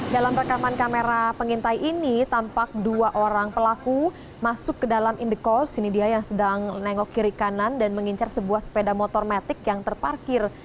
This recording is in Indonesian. dalam rekaman kamera pengintai ini tampak dua orang pelaku masuk ke dalam indekos ini dia yang sedang nengok kiri kanan dan mengincar sebuah sepeda motor metik yang terparkir